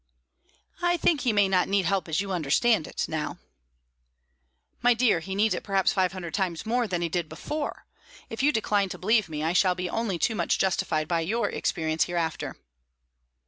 "I think he may not need help as you understand it, now." "My dear, he needs it perhaps five hundred times more than he did before. If you decline to believe me, I shall be only too much justified by your experience hereafter."